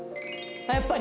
やっぱり！